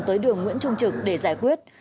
tới đường nguyễn trung trực để giải quyết